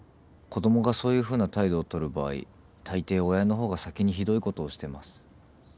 子供がそういうふうな態度をとる場合たいてい親の方が先にひどいことをしてます。